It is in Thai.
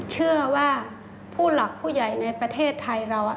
เชื่อว่าผู้หลักผู้ใหญ่ในประเทศไทยเรา